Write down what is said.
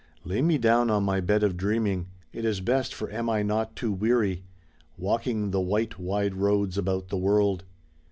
Lay me down on my bed of dreaming. It is best, for am I not too weary Walking the white wide roads about the world?